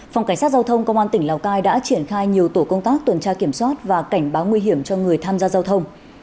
phòng cảnh sát giao thông công an tỉnh lào cai đã triển khai nhiều tổ công tác tuần tra kiểm soát và cảnh báo nguy hiểm cho người tham gia giao thông